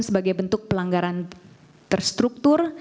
sebagai bentuk pelanggaran terstruktur